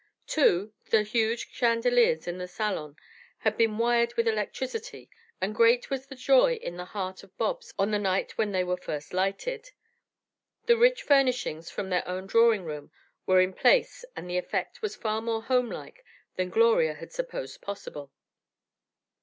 Too, the huge chandeliers in the salon had been wired with electricity, and great was the joy in the heart of Bobs on the night when they were first lighted. The rich furnishings from their own drawing room were in place and the effect was far more homelike than Gloria had supposed possible.